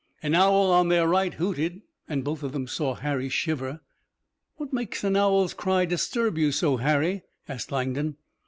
An owl on their right hooted, and both of them saw Harry shiver. "What makes an owl's cry disturb you so, Harry?" asked Langdon.